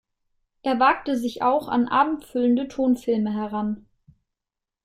Er wagte sich auch an abendfüllende Tonfilme heran.